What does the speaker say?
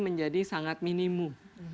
menjadi sangat minimum